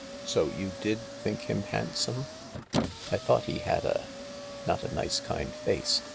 " So you did think him handsome ?"" I thought he had a "" Not a nice, kind face